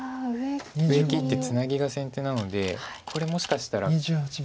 上切ってツナギが先手なのでこれもしかしたら。